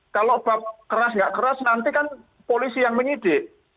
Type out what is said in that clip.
kalau bapak keras nggak keras nanti kan polisi yang menyidik